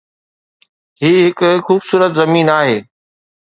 هي هڪ خوبصورت زمين آهي.